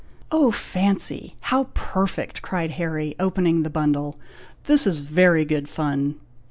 "Oh fancy! how perfect!" cried Harry, opening the bundle; "this is very good fun!"